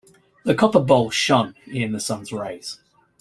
The copper bowl shone in the sun's rays.